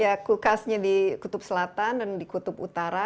ya kulkasnya di kutub selatan dan di kutub utara